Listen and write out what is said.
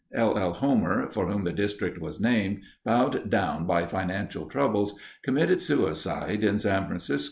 L. L. Homer, for whom the district was named, bowed down by "financial troubles," committed suicide in San Francisco a few months later.